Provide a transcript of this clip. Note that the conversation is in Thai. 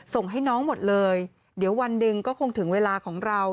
ส่งให้น้องหมดเลยเดี๋ยววันหนึ่งก็คงถึงเวลาของเรา